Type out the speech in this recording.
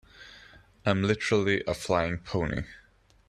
I'm literally a flying pony.